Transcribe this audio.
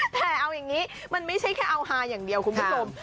แต่เอาอย่างนี้มันไม่ใช่แค่เอาฮาอย่างเดียวคุณผู้ชม